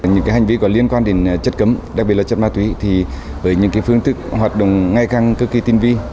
những cái hành vi có liên quan đến chất cấm đặc biệt là chất ma túy thì với những cái phương thức hoạt động ngay càng cực kỳ tin vi